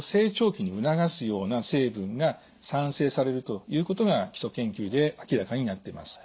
ような成分が産生されるということが基礎研究で明らかになっています。